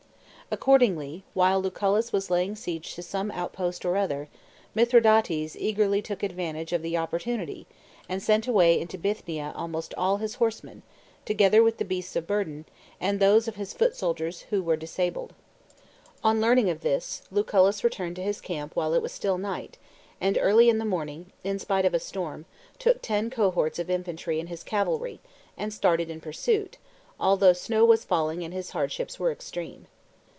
Accordingly, while Lucullus was laying siege to some outpost or other, Mithridates eagerly took advantage of the opportunity, and sent away into Bithynia almost all his horsemen, together with the beasts of burden, and those of his foot soldiers who were disabled. On learning of this, Lucullus returned to his camp while it was still night, and early in the morning, in spite of a storm, took ten cohorts of infantry and his calvary, and started in pursuit, although snow was falling and his hardships were extreme.